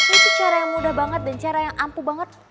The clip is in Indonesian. itu cara yang mudah banget dan cara yang ampuh banget